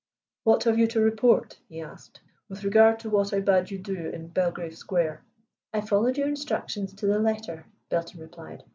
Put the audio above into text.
"What have you to report," he asked, "with regard to what I bade you do in Belgrave Square?" "I followed your instructions to the letter," Belton replied.